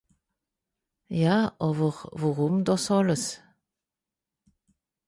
Ja àwer wùrùm dìs àlles ?